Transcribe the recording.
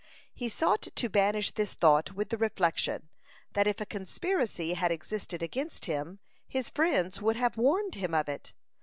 He sought to banish this thought with the reflection, that if a conspiracy had existed against him, his friends would have warned him of it.